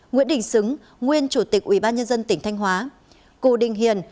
nguyễn đình sứng nguyên chủ tịch ủy ban nhân dân tỉnh thanh hóa cụ đình hiền